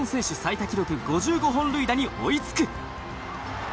記録５５本塁打に追い付く。